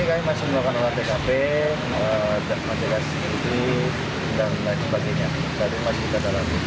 hari ini kami masih melakukan olah tkp dan sebagainya